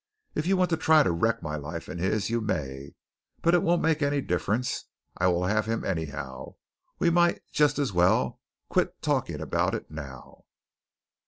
If you want to try to wreck my life and his, you may, but it won't make any difference. I will have him, anyhow. We might just as well quit talking about it now."